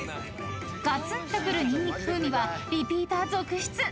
［がつんとくるニンニク風味はリピーター続出］